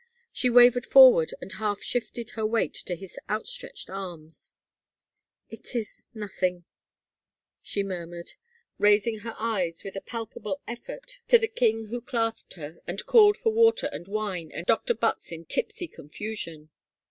She wavered forward and half shifted her weight to his outstretched arms. " It is — nothing," she murmured, raising her eyes with a palpable eifort to the king who clasped her and called for water and wine and Dr. Butts in tipsy confusion.